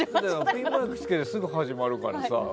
ピンマイクをつけてすぐ始まるからさ。